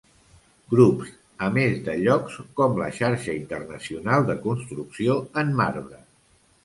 Grups, a més de llocs com la xarxa internacional de construcció en marbre.